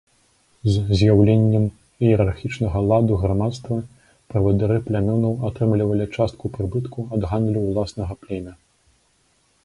З з'яўленнем іерархічнага ладу грамадства, правадыры плямёнаў атрымлівалі частку прыбытку ад гандлю ўласнага племя.